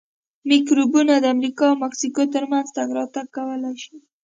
میکروبونه د امریکا او مکسیکو ترمنځ تګ راتګ کولای شي.